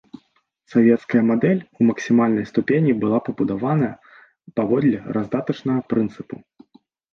Савецкая мадэль у максімальнай ступені была пабудаваная паводле раздатачнага прынцыпу.